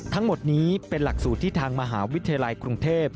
ทั้งหมดนี้เป็นหลักสูตรที่ทางมหาวิทยาลัยกรุงเทพ